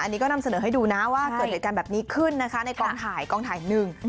อันนี้ก็นำเสนอให้ดูนะว่าเกิดเหตุการณ์แบบนี้ขึ้นนะคะในกองถ่ายกองถ่ายหนึ่ง